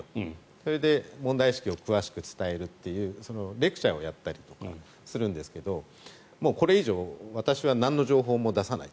それで問題意識を詳しく伝えるというレクチャーをやったりとかするんですけどこれ以上私はなんの情報も出さない。